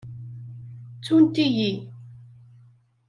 Ttunt-iyi.